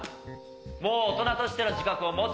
もう大人としての自覚を持つ時期だ。